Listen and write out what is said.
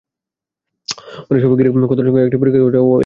অনেক সময় গিরা ব্যথার সঙ্গে রক্তের একটি পরীক্ষা করা হয়, এএসও টাইটার।